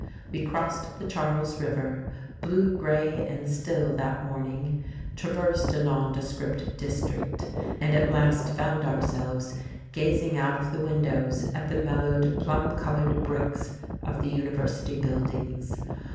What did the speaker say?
We crossed the Charles River, blue grey and still that morning; traversed a nondescript district, and at last found ourselves gazing out of the windows at the mellowed, plum coloured bricks of the University buildings....